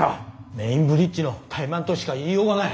メインブリッジの怠慢としか言いようがない。